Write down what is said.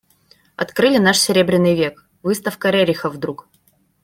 Открыли наш Серебряный век, выставка Рериха вдруг.